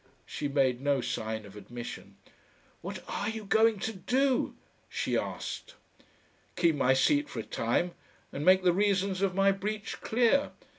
She made no sign of admission. "What are you going to do?" she asked. "Keep my seat for a time and make the reasons of my breach clear.